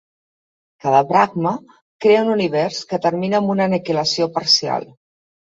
Cada Brahma crea un univers que termina amb una aniquilació parcial.